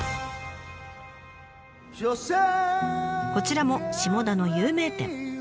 こちらも下田の有名店。